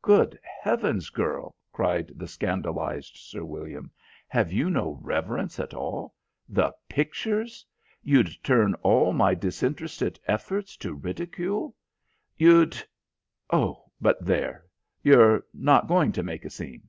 "Good heavens, girl," cried the scandalised Sir William, "have you no reverence at all? The pictures! You'd turn all my disinterested efforts to ridicule. You'd oh, but there! You're not going to make a scene?"